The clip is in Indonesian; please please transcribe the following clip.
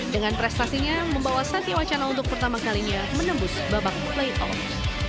dengan prestasinya membawa satya wacana untuk pertama kalinya menembus babak playoff